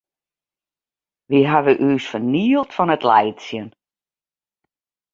Wy hawwe ús fernield fan it laitsjen.